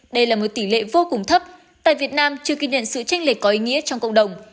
đây là một tỷ lệ vô cùng thấp tại việt nam chưa ghi nhận sự tranh lệch có ý nghĩa trong cộng đồng